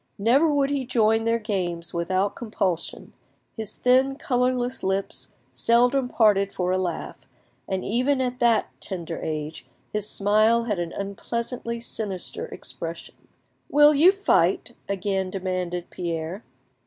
Never would he join their games without compulsion; his thin, colourless lips seldom parted for a laugh, and even at that tender age his smile had an unpleasantly sinister expression. "Will you fight?" again demanded Pierre.